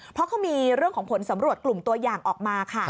เพราะเขามีเรื่องของผลสำรวจกลุ่มตัวอย่างออกมาค่ะ